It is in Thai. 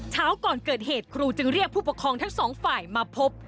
ก่อนเกิดเหตุครูจึงเรียกผู้ปกครองทั้งสองฝ่ายมาพบ